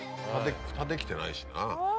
フタできてないしな。